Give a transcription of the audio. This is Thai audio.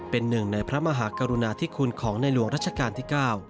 เป็นหนึ่งในพระมหากรุณาธิคุณของในหลวงรัชกาลที่๙